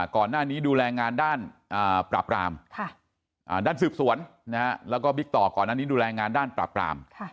ก่อนหน้านี้ดูแลงานด้านปราบรามด้านสืบสวนแล้วก็บิ๊กต่อก่อนอันนี้ดูแลงานด้านปราบราม